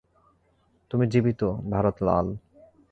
তুমি জীবিত, ভারত লাল।